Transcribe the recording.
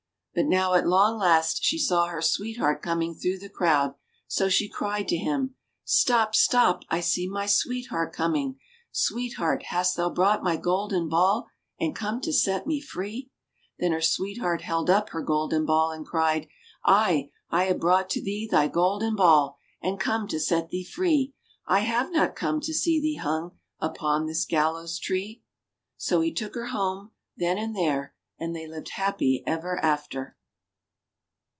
But now, at long last, she saw her sweetheart coming through the crowd, so she cried to him : "Stop, stop, I see my sweetheart coming! Sweetheart, has thou brought my golden ball And come to set me free ?" Then her sweetheart held up her golden ball and cried : "Aye, I have brought to thee thy golden ball And come to set thee free, I have not come to see thee hung Upon this gallows tree." So he took her home, then and there, and they lived happy ever after.